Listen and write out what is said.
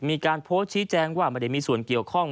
มีการโพสต์ชี้แจงว่าไม่ได้มีส่วนเกี่ยวข้อง